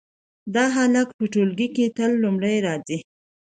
دا هلک په ټولګي کې تل لومړی راځي